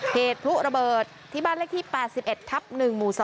เหตุพลุระเบิดที่บ้านเลขที่๘๑ทับ๑หมู่๒